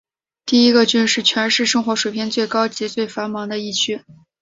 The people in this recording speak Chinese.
第一郡是全市生活水平最高及最繁忙的一区。